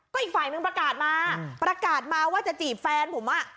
ก็อีกฝ่ายนึงประกาศมาประกาศมาว่าจะจีบแฟนผมอ่ะ